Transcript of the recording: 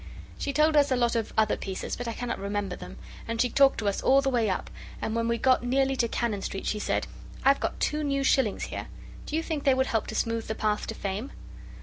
She told us a lot of other pieces but I cannot remember them, and she talked to us all the way up, and when we got nearly to Cannon Street she said 'I've got two new shillings here! Do you think they would help to smooth the path to Fame?